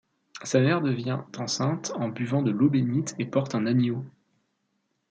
Sa mère devient enceinte en buvant de l'eau bénite et porte un agneau.